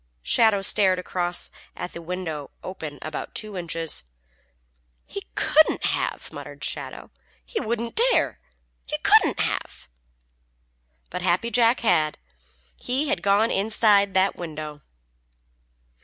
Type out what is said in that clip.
Shadow stared across at a window open about two inches. "He couldn't have!" muttered Shadow. "He wouldn't dare. He couldn't have!" But Happy Jack had. He had gone inside that window.